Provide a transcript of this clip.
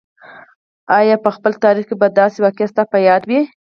آیا په خپل تاریخ کې به داسې واقعه ستا په یاد وي.